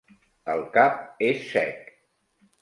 El cap és sec.